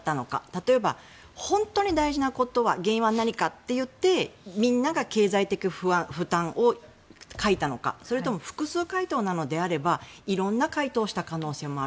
例えば本当に大事なこと原因は何かと言ってみんなが経済的負担を書いたのかそれとも、複数回答なのであればいろんな回答をした可能性もある。